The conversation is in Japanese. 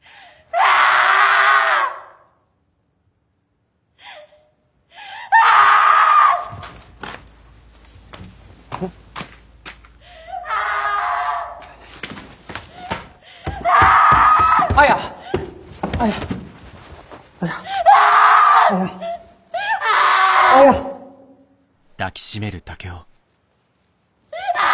ああ！